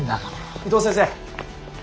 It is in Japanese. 伊藤先生。